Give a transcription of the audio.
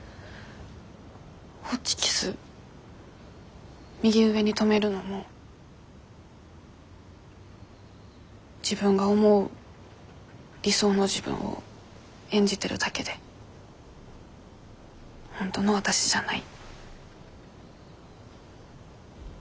ホチキス右上に留めるのも自分が思う理想の自分を演じてるだけで本当のわたしじゃない。